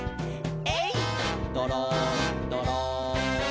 「えいっどろんどろん」